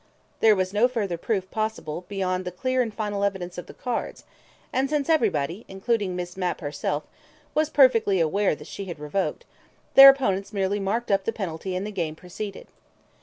There was no further proof possible beyond the clear and final evidence of the cards, and since everybody, including Miss Mapp herself, was perfectly well aware that she had revoked, their opponents merely marked up the penalty and the game proceeded.